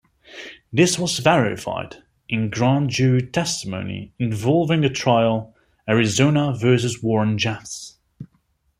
This was verified in grand jury testimony involving the trial "Arizona versus Warren Jeffs".